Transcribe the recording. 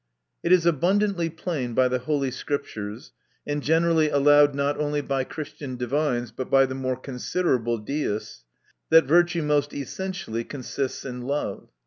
It is abundantly plain by the holy Scriptures, and generally allowed, not only by Christian divines, but by the more considerable deists, that virtue most essentially consists in love.